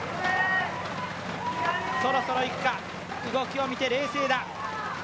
そろそろいくか、動きを見て冷静だ。